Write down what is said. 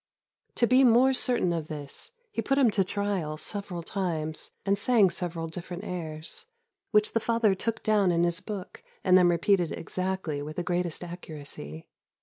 To be more certain of this, he put him to trial several times, and sang several different airs, which the father took down in his book, and then repeated exactly with the greatest accuracy.